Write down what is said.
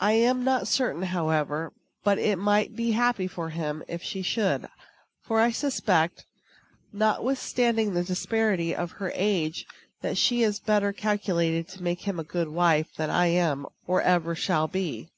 I am not certain, however, but it might be happy for him if she should; for I suspect, not withstanding the disparity of her age, that she is better calculated to make him a good wife than I am or ever shall be.